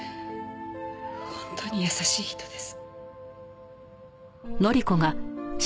本当に優しい人です。